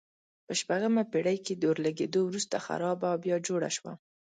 په شپږمه پېړۍ کې د اور لګېدو وروسته خرابه او بیا جوړه شوه.